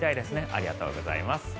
ありがとうございます。